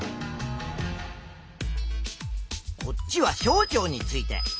こっちは小腸について。